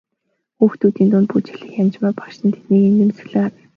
Хүүхдүүдийн дунд бүжиглэх Янжмаа багш нь тэднийг инээмсэглэн харна.